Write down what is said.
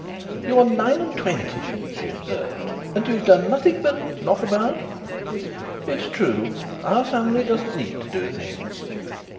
"You are nine and twenty," she observed, "and you've done nothing but " "Knock about? It is true. Our family doesn't need to do things."